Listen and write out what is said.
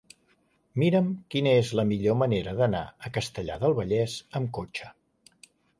Mira'm quina és la millor manera d'anar a Castellar del Vallès amb cotxe.